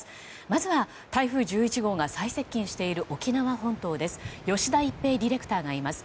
まずは台風１１号が最接近している沖縄本島です。